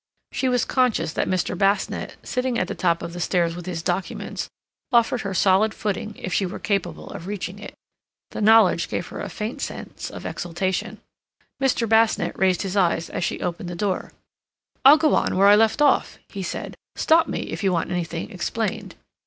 She was conscious that Mr. Basnett, sitting at the top of the stairs with his documents, offered her solid footing if she were capable of reaching it. The knowledge gave her a faint sense of exaltation. Mr. Basnett raised his eyes as she opened the door. "I'll go on where I left off," he said. "Stop me if you want anything explained."